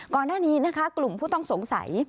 ก่อนหน้านี้นะคะกลุ่มผู้ต้องสงสัย